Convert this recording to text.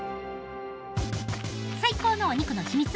最高のお肉の秘密